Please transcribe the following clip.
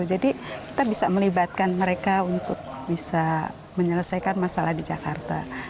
jadi kita bisa melibatkan mereka untuk bisa menyelesaikan masalah di jakarta